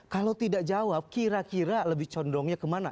kalau tidak jawab kira kira lebih condongnya kemana